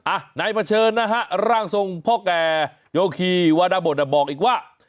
อ่ะนายเผชิญนะฮะร่างทรงพ่อแก่โยคีวรรณบทบอกอีกว่า